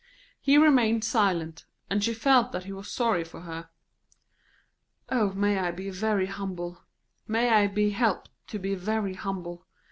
He remained silent, and she felt that he was sorry for her. "Oh, may I be very humble; may I be helped to be very humble!"